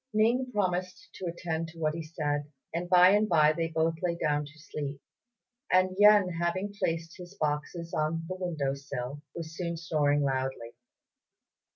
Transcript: Ning promised to attend to what he said, and by and by they both lay down to sleep; and Yen, having placed his boxes on the window sill, was soon snoring loudly.